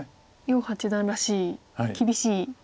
余八段らしい厳しい。